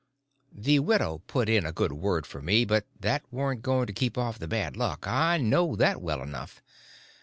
The widow put in a good word for me, but that warn't going to keep off the bad luck, I knowed that well enough.